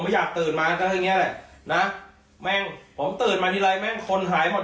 อยากตื่นมาตั้งเนี้ยแหละนะแม่งผมตื่นมาทีไรแม่งคนหายหมด